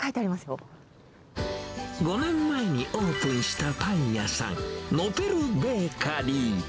５年前にオープンしたパン屋さん、ノペルベーカリー。